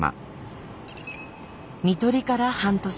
看取りから半年。